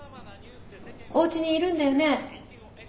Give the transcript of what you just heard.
おうちにいるんだよね？